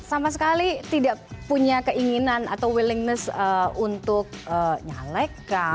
sama sekali tidak punya keinginan atau willingness untuk nyalekan